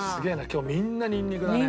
今日みんなニンニクだね。